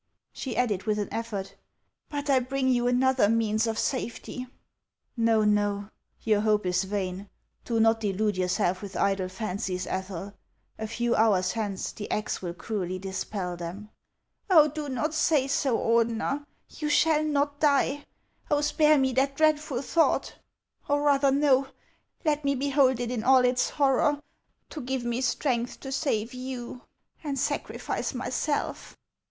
She added with an effort :" But I bring you another means of safety." " Xo, no ; your hope is vain. Do not delude yourself with idle fancies, Ethel ; a few hours hence the axe will cruelly dispel them." " Oh, do not say so, Ordener ! You shall not die. Oh, spare me that dreadful thought ! Or rather, no ; let me behold it in all its horror, to give me strength to save you and sacrifice myself."